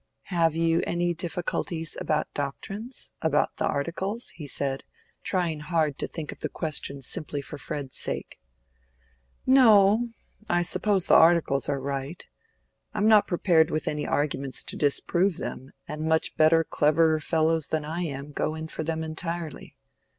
"Have you any difficulties about doctrines—about the Articles?" he said, trying hard to think of the question simply for Fred's sake. "No; I suppose the Articles are right. I am not prepared with any arguments to disprove them, and much better, cleverer fellows than I am go in for them entirely.